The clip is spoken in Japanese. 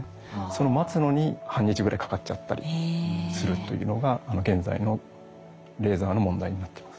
その待つのに半日ぐらいかかっちゃったりするというのが現在のレーザーの問題になっています。